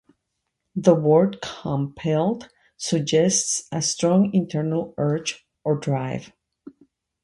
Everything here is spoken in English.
The word "compelled" suggests a strong internal urge or drive.